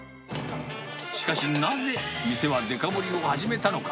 しかし、なぜ店はデカ盛りを始めたのか。